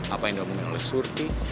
apa yang dia omongin dengan surti